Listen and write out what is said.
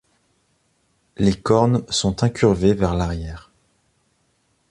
Les cornes sont incurvées vers l'arrière.